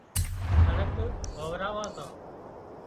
ڪڻڪ واوران سان